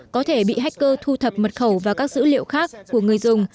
có thể bị hacker thu thập mật khẩu và các dữ liệu khác của người dùng